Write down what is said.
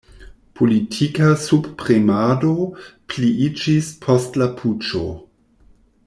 Politika subpremado pliiĝis post la puĉo.